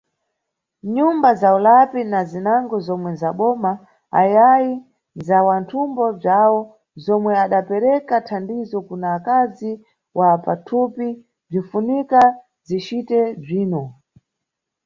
Nyumba za ulapi na zinango zomwe ndzaboma ayayi ndza wanthumbo bzawo zomwe ambapereka thandizo kuna akazi wa pathupi bzinʼfunika zicite bzino.